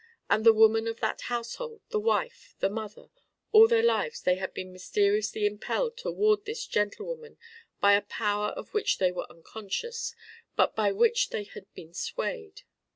And the woman of that household the wife, the mother all their lives they had been mysteriously impelled toward this gentlewoman by a power of which they were unconscious but by which they had been swayed.